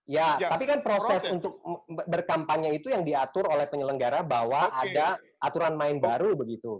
ya tapi kan proses untuk berkampanye itu yang diatur oleh penyelenggara bahwa ada aturan main baru begitu